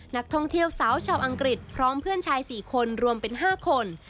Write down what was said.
นักท่องเที่ยวสาวชาวอังกฤษพร้อมเพื่อนชาย๔คนรวมเป็น๕คน